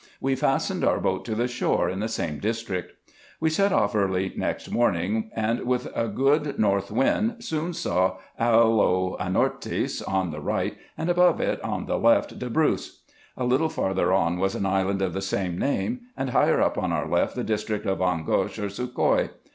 We fastened our boat to the shore, in the same district. We set off early next morning, and with a good north wind soon saw Aloanortis on the right, and above it on the left Debrous. A little farther on was an island of the same name ; and higher up on our left the district of Angosh or Sukoy.